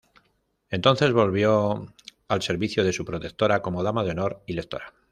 Entonces volvió al servicio de su protectora como dama de honor y lectora.